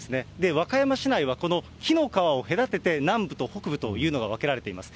和歌山市内は、この紀の川を隔てて南部と北部というのが分けられています。